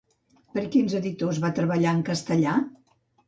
Per a quins editors va treballar en castellà?